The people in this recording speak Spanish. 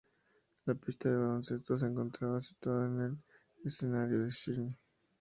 La pista de baloncesto se encontraba situada en el escenario del Shrine.